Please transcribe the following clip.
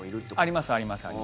あります、あります。